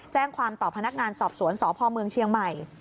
แจ้งความต่อพนักงานสอบสวนสพเมืองเชียงใหม่